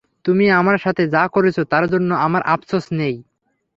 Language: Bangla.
তুমি আমার সাথে যা করেছ তার জন্য আমার আফসোস নেই!